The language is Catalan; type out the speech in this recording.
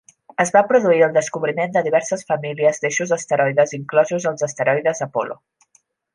Es va produir el descobriment de diverses famílies d'eixos asteroides inclosos els asteroides Apol·lo.